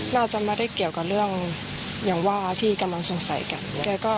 น่าจะไม่ได้เกี่ยวกับเรื่องอย่างว่าที่กำลังสงสัยกัน